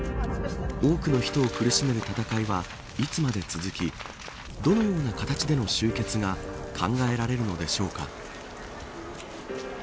多くの人を苦しめる戦いはいつまで続きどのような形での終結が考えられるのでしょうか。